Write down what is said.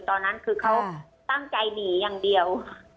ตอนนั้นคือเขาตั้งใจหนีอย่างเดียว